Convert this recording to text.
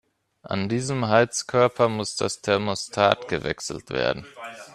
An diesem Heizkörper muss das Thermostat gewechselt werden.